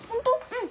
うん。